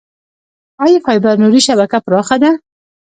آیا فایبر نوري شبکه پراخه ده؟